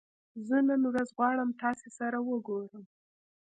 زه نن ورځ غواړم تاسې سره وګورم